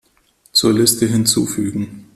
Zur Liste hinzufügen.